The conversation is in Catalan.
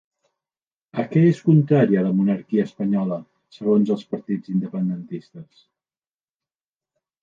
A què es contraria la monarquia espanyola segons els partits independentistes?